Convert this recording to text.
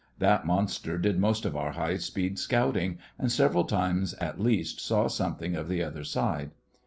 That monster did most of our high speed scouting, and several times at least saw something of the other side.